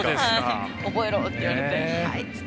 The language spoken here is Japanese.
覚えろ！って言われてはい！